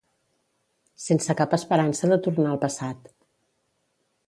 Sense cap esperança de tornar al passat